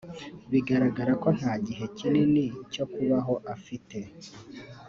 Biragaragara ko nta gihe kinini cyo kubaho afite